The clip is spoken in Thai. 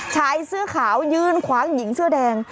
ชายเสื้อขาวยืนขวางหญิงเสื้อแดง